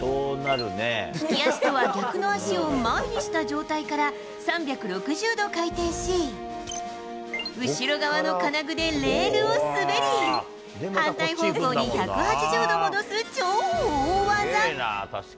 利き足とは逆の足を前にした状態から３６０度回転し、後ろ側の金具でレールを滑り、反対方向に１８０度戻す超大技。